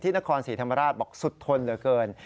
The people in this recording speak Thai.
นครศรีธรรมราชบอกสุดทนเหลือเกิน